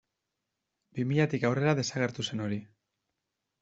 Bi milatik aurrera desagertu zen hori.